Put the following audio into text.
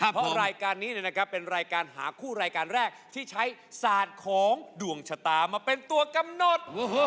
เพราะรายการนี้เป็นรายการหาคู่รายการแรกที่ใช้ศาสตร์ของดวงชะตามาเป็นตัวกำหนด